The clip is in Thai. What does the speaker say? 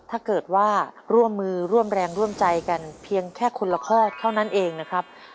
ถ้าเกิดว่าร่วมมือร่วมแรงร่วมใจกันเพียงแค่คนละข้อเท่านั้นเองนะครับ